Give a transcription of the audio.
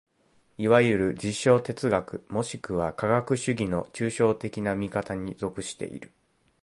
いわゆる実証哲学もしくは科学主義の抽象的な見方に属している。